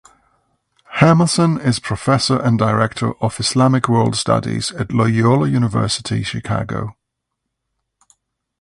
Hermansen is professor and director of Islamic World Studies at Loyola University Chicago.